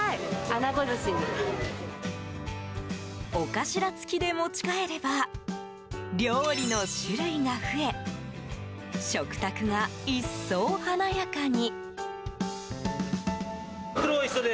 尾頭付きで持ち帰れば料理の種類が増え食卓が一層華やかに。